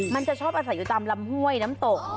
มันจะชอบอาศัยอยู่ตามลำห้วยน้ำตก